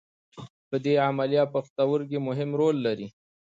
په دې عملیه پښتورګي مهم رول لري.